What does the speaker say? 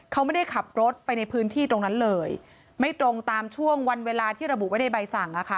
เขาไม่ได้ขับรถไปในพื้นที่ตรงนั้นเลยไม่ตรงตามช่วงวันเวลาที่ระบุไว้ในใบสั่งอะค่ะ